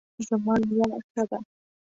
زما نیا ښه ده